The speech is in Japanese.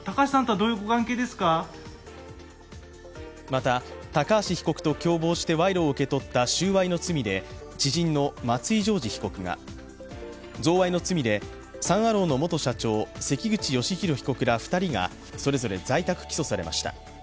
また、高橋被告と共謀して賄賂を受け取った収賄の罪で知人の松井譲二被告が、贈賄の罪でサン・アローの元社長、関口芳弘被告ら２人がそれぞれ在宅起訴されました。